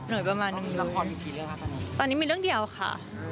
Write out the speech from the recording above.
หน่วยประมาณหนึ่งหนึ่งตอนนี้มีเรื่องเดียวค่ะ